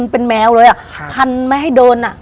เป็นแมวเลยอะพันไม่ให้เดิน